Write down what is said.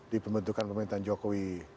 di pembentukan pemerintahan jokowi